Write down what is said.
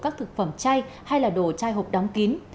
các thực phẩm chay hay là đồ chai hộp đóng kín